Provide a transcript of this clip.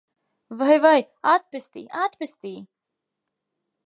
Vai, vai! Atpestī! Atpestī!